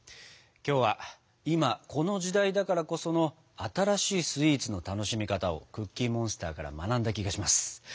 今日は今この時代だからこその新しいスイーツの楽しみ方をクッキーモンスターから学んだ気がします。